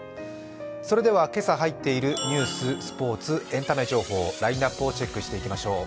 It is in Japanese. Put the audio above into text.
それでは今朝入っているニュース、スポーツ、エンタメ情報ラインナップをチェックしていきましょう。